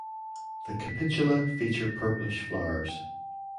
The capitula feature purplish flowers.